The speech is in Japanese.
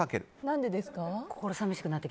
何でですか？